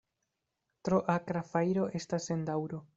Tro akra fajro estas sen daŭro.